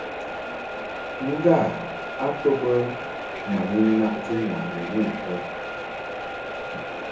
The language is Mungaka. Ngâ a to bə ma ni naʼti ŋwàʼni wuʼ bə.